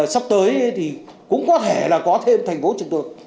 sắp tới thì cũng có thể là có thêm thành phố trực thuộc